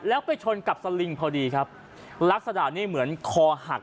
แล้วไปชนกับสลิงพอดีครับลักษณะนี้เหมือนคอหัก